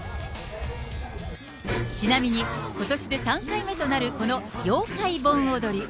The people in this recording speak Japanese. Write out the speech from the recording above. ちなみに、ことしで３回目となるこの妖怪盆踊り。